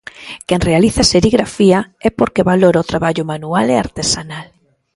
Quen realiza serigrafía é porque valora o traballo manual e artesanal.